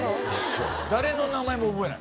誰の名前も覚えない。